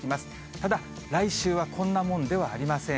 ただ来週はこんなもんではありません。